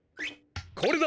これだ。